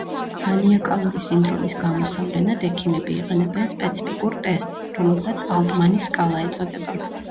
მანიაკალური სინდრომის გამოსავლენად, ექიმები იყენებენ სპეციფიკურ ტესტს, რომელსაც ალტმანის სკალა ეწოდება.